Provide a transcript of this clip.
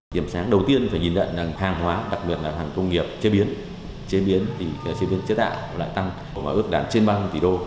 điểm sáng đầu tiên phải nhìn đận là hàng hóa đặc biệt là hàng công nghiệp chế biến chế tạo tăng ước đạt trên ba mươi tỷ usd